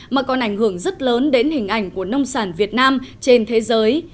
mà còn ảnh hưởng rất lớn đến hình ảnh của nông sản việt nam trên thế giới